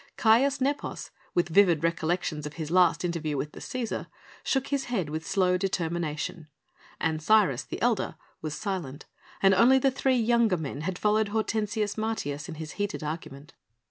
Caius Nepos, with vivid recollections of his last interview with the Cæsar, shook his head with slow determination. Ancyrus, the elder, was silent and only the three younger men had followed Hortensius Martius in his heated argument.